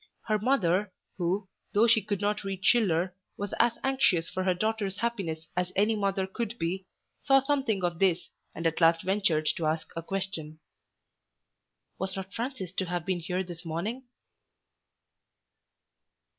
Her mother, who, though she could not read Schiller, was as anxious for her daughter's happiness as any mother could be, saw something of this and at last ventured to ask a question. "Was not Francis to have been here this morning?"